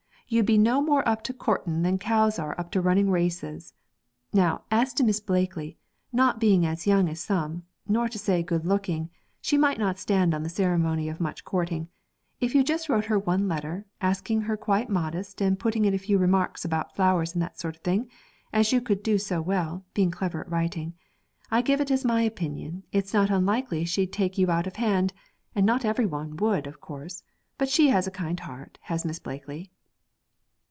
'You'd be no more up to courting than cows are up to running races. Now, as to Miss Blakely, not being as young as some, nor to say good looking, she might not stand on the ceremony of much courting; if you just wrote her one letter, asking her quite modest, and putting in a few remarks about flowers and that sort of thing, as you could do so well, being clever at writing, I give it as my opinion it's not unlikely she'd take you out of hand; not every one would, of course, but she has a kind heart, has Miss Blakely.'